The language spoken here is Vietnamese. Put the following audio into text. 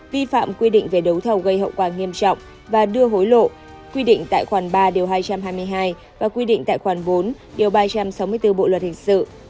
vi phạm quy định về đấu thầu gây hậu quả nghiêm trọng và đưa hối lộ quy định tại khoản ba điều hai trăm hai mươi hai và quy định tại khoản bốn điều ba trăm sáu mươi bốn bộ luật hình sự